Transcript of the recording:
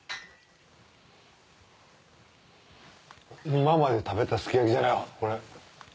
今までに食べたすき焼きじゃないこれ。